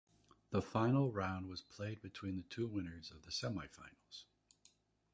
The final round was played between the two winners of the semifinals.